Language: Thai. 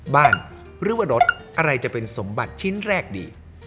หรือว่ารถอะไรจะเป็นสมบัติชิ้นแรกดี